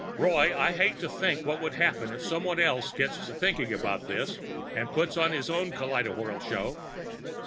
"Roy, I hate to think what can happen if someone else gets to thinking about this and puts on his own kaleidowhirl show."